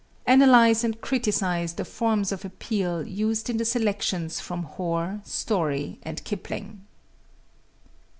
Analyze and criticise the forms of appeal used in the selections from Hoar, Story, and Kipling.